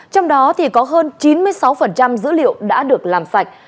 trong đó thì có hơn chín mươi sáu dữ liệu đã được làm sạch